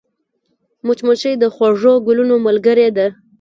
مچمچۍ د خوږو ګلونو ملګرې ده